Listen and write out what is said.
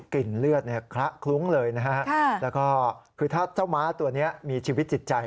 เลือดคละคลุ้งเลยนะฮะแล้วก็คือถ้าเจ้าม้าตัวนี้มีชีวิตจิตใจ